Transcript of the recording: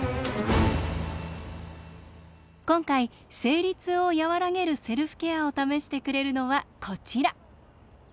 今回生理痛を和らげるセルフケアを試してくれるのはこちら。